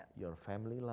hidup keluarga anda